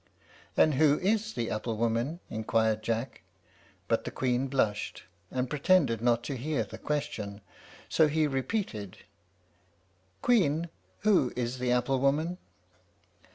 "And who is the apple woman?" inquired Jack; but the Queen blushed, and pretended not to hear the question, so he repeated, "Queen, who is the apple woman?"